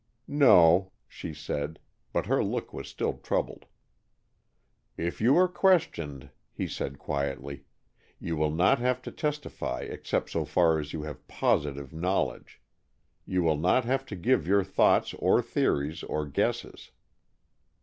"No," she said, but her look was still troubled. "If you are questioned," he said quietly, "you will not have to testify except so far as you have positive knowledge. You will not have to give your thoughts or theories or guesses."